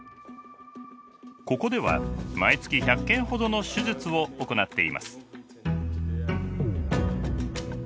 ここでは毎月１００件ほどの手術を行っています。